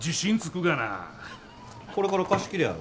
これから貸し切りやろ？